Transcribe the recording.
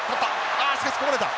ああしかしこぼれた！